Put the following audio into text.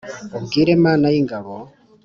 ubwire mana y’ ingabo,